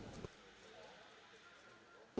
tăng cường đại hội đảm bảo cho đàn gia súc